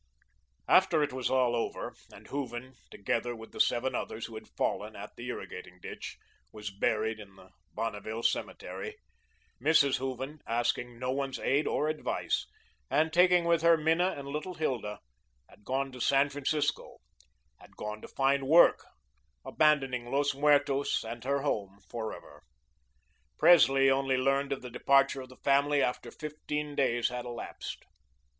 After all was over, and Hooven, together with the seven others who had fallen at the irrigating ditch, was buried in the Bonneville cemetery, Mrs. Hooven, asking no one's aid or advice, and taking with her Minna and little Hilda, had gone to San Francisco had gone to find work, abandoning Los Muertos and her home forever. Presley only learned of the departure of the family after fifteen days had elapsed.